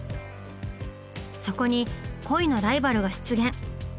そこに恋のライバルが出現！